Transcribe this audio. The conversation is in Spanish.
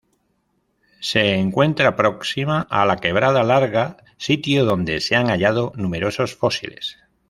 Se encuentra próxima a la quebrada Larga, sitio donde se han hallado numerosos fósiles.